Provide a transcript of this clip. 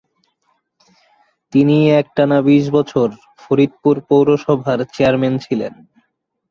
তিনি একটানা বিশ বছর ফরিদপুর পৌরসভার চেয়ারম্যান ছিলেন।